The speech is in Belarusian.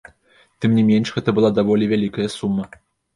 Тым не менш, гэта была даволі вялікая сума.